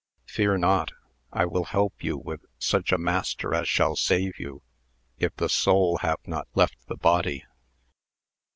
fear not, I will help you with such a master as shall save you if the soul have not left the body.